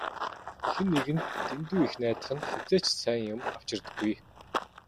Хэн нэгэнд дэндүү их найдах нь хэзээ ч сайн юм авчирдаггүй.